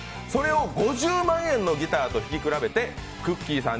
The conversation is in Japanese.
それを５０万円のギターと弾き比べてくっきー！